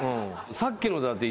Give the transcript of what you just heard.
さっきのだって。